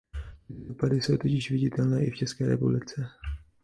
Tyto dopady jsou totiž viditelné i v České republice.